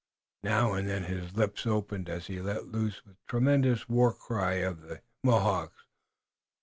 Now and then his lips opened as he let loose the tremendous war cry of the Ganeagaono.